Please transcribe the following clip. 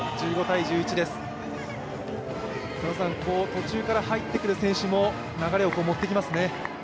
途中から入ってくる選手も流れを持っていきますね。